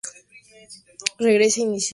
Regresa invicto de El Salvador.